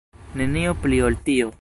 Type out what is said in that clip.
Nenio pli ol tio.